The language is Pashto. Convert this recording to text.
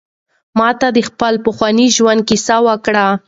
ما ته د خپل پخواني ژوند کیسه وکړه.